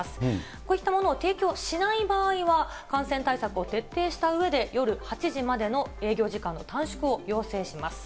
こういったものを提供しない場合は、感染対策を徹底したうえで、夜８時までの営業時間の短縮を要請します。